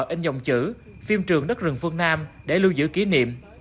in dòng chữ phim trường đất rừng phương nam để lưu giữ kỷ niệm